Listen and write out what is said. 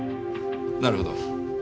なるほど。